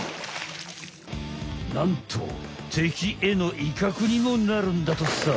なんと敵への威嚇にもなるんだとさ。